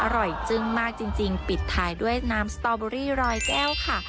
จึ้งมากจริงปิดท้ายด้วยน้ำสตอเบอรี่รอยแก้วค่ะ